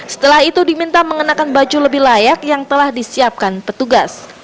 setelah itu diminta mengenakan baju lebih layak yang telah disiapkan petugas